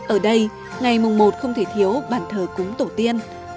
ở đây ngày mùng một không thể thiếu bản thờ cúng tổ tiên